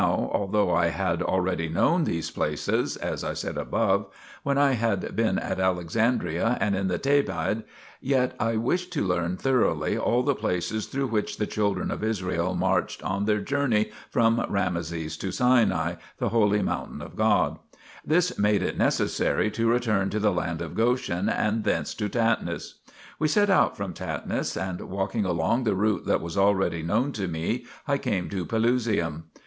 c 1 8 THE PILGRIMAGE OF ETHERIA although I had already known these places as I said above when I had been at Alexandria and in the The baid, yet I wished to learn thoroughly all the places through which the children of Israel marched on their journey from Rameses to Sinai, the holy mountain of God ; this made it necessary to return to the land of Goshen and thence toTatnis. We set out from Tatnis and, walking along the route that was already known to me, I came to Pelusium.